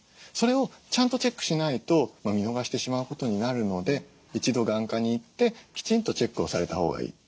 それをちゃんとチェックしないと見逃してしまうことになるので一度眼科に行ってきちんとチェックをされたほうがいい。